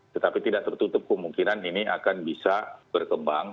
tetapi tidak tertutup kemungkinan ini akan bisa berkembang